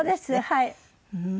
はい。